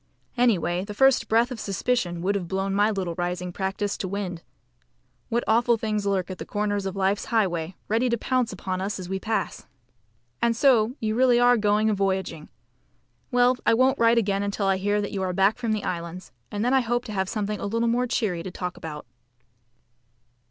Anyway, the first breath of suspicion would have blown my little rising practice to wind. What awful things lurk at the corners of Life's highway, ready to pounce upon us as we pass! And so you really are going a voyaging! Well, I won't write again until I hear that you are back from the Islands, and then I hope to have something a little more cheery to talk about.